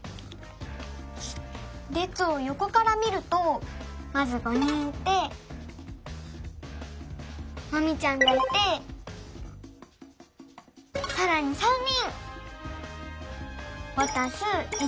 れつをよこからみるとまず５人いてマミちゃんがいてさらに３人！